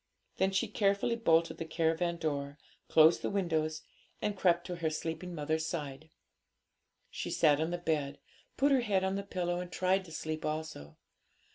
Then she carefully bolted the caravan door, closed the windows, and crept to her sleeping mother's side. She sat on the bed, put her head on the pillow, and tried to sleep also.